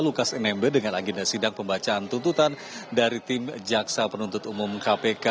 lukas nmb dengan agenda sidang pembacaan tuntutan dari tim jaksa penuntut umum kpk